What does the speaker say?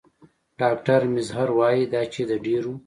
ډاکټر میزهر وايي دا چې د ډېرو